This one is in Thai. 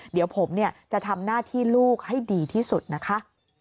เดี๋ยวผมจะทำหน้าที่ลูกให้ดีที่สุดนะคะ